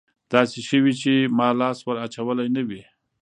داسې شوي چې ما لاس ور اچولى نه وي.